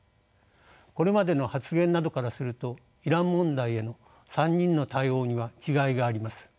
これまでの発言などからするとイラン問題への３人の対応には違いがあります。